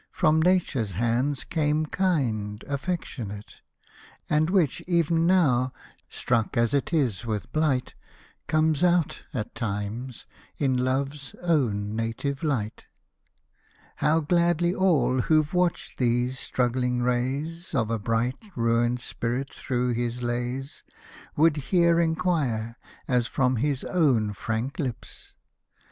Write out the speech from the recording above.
From Nature's hands came kind, affectionate ; And which, ev'n now, struck as it is wdth blight, Comes out, at times, in love's own native Hght ;— How gladly all, who've watched these struggling rays Of a bright, ruined spirit through his lays. Would here inquire, as from his own frank lips.